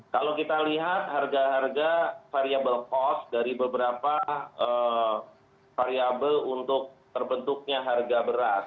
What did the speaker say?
kalau kita lihat harga harga variable cost dari beberapa variable untuk terbentuknya harga beras